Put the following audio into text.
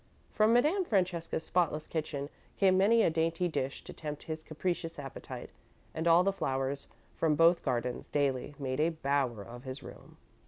From Madame Francesca's spotless kitchen came many a dainty dish to tempt his capricious appetite, and all the flowers from both gardens, daily, made a bower of his room.